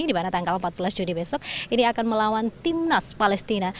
di mana tanggal empat belas juni besok ini akan melawan timnas palestina